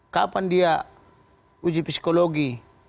kapan dia uji psikologi